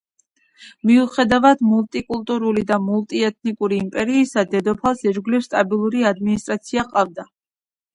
მიუხედავად მულტიკულტურული და მულტიეთნიკური იმპერიისა, დედოფალს ირგვლივ სტაბილური ადმინისტრაცია ჰყავდა.